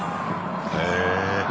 へえ。